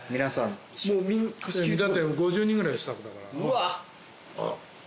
５０人ぐらいスタッフだから。